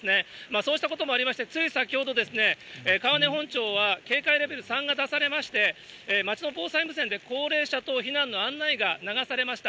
そうしたこともありまして、つい先ほど、川根本町は警戒レベル３が出されまして、町の防災無線で高齢者等避難の案内が流されました。